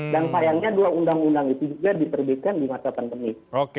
dan sayangnya dua undang undang itu juga diperbedakan di masa pendemik